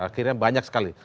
akhirnya banyak sekali